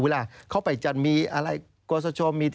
เวลาเข้าไปจัดมีอะไรกฎสชม